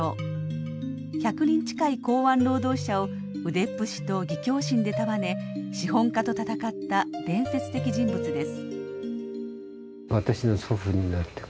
１００人近い港湾労働者を腕っぷしと義侠心で束ね資本家と戦った伝説的人物です。